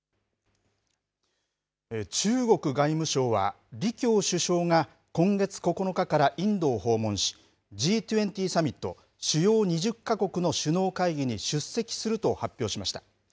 中国外務省は、李強首相が今月９日からインドを訪問し、Ｇ２０サミット・主要２０か国の首脳会議に出席すると発表しました。